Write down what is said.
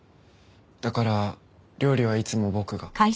だから料理はいつも僕が。